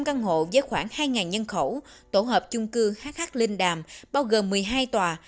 năm căn hộ với khoảng hai nhân khẩu tổ hợp chung cư hh linh đàm bao gồm một mươi hai tòa